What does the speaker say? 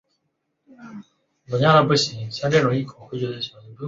达德利维尔是位于美国亚利桑那州皮纳尔县的一个人口普查指定地区。